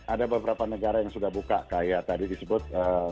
ada beberapa negara yang sudah buka kayak tadi disebut